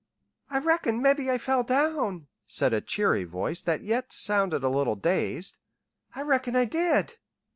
"I reckon mebbe I felled down," said a cheery voice that yet sounded a little dazed. "I reckon I did."